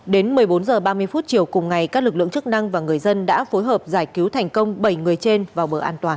đến một mươi bốn h ba mươi phút chiều cùng ngày các lực lượng chức năng và người dân đã phối hợp giải cứu thành công bảy người trên vào bờ an toàn